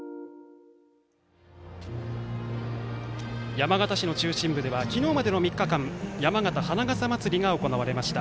山形市の中心部では昨日までの３日間山形花笠まつりが行われました。